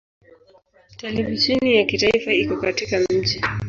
Televisheni ya kitaifa iko katika mji.